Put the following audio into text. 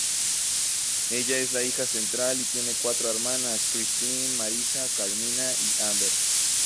Ella es la hija central y tiene cuatro hermanas: Christine, Marissa, Carmina y Amber.